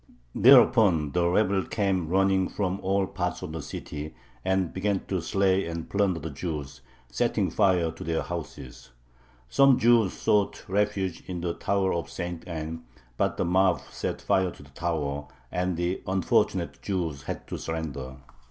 Thereupon the rabble came running from all parts of the city and began to slay and plunder the Jews, setting fire to their houses. Some Jews sought refuge in the Tower of St. Anne, but the mob set fire to the tower, and the unfortunate Jews had to surrender.